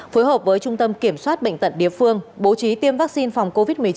phối hợp với trung tâm kiểm soát bệnh tận địa phương bố trí tiêm vaccine phòng covid một mươi chín